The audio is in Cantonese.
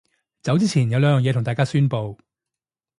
走之前有兩樣嘢同大家宣佈